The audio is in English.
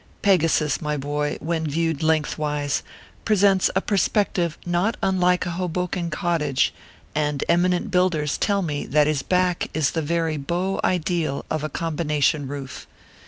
Pegasus, my boy, when viewed lengthwise, presents a perspective not unlike a Hoboken cottage, and eminent builders tell me that his back is the very beau ideal of a combination roof.